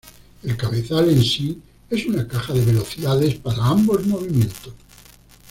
El cabezal en sí, es una caja de velocidades para ambos movimientos.